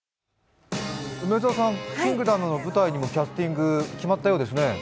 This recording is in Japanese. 梅澤さん、「キングダム」の舞台にもキャスティング決まったようですね。